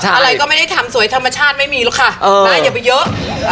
อะไรก็ไม่ได้ทำสวยธรรมชาติไม่มีหรอกค่ะนะอย่าไปเยอะ